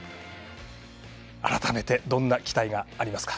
改めて、どんな期待がありますか